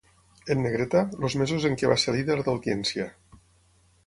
En negreta, els mesos en què va ser líder d'audiència.